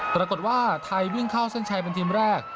ปรากฏว่าไทยวิ่งเข้าเส้นชัยเป็นทีมแรก